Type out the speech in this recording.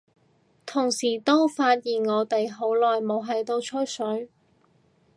同時都發現我哋好耐冇喺度吹水，